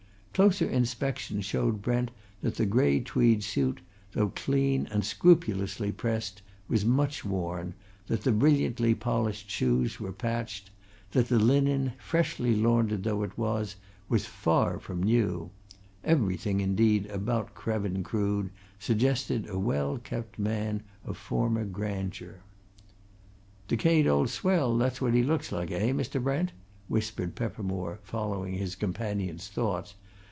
Closer inspection showed Brent that the grey tweed suit, though clean and scrupulously pressed, was much worn, that the brilliantly polished shoes were patched, that the linen, freshly laundered though it was, was far from new everything, indeed, about Krevin Crood, suggested a well kept man of former grandeur. "Decayed old swell that's what he looks like, eh, Mr. Brent?" whispered Peppermore, following his companion's thoughts.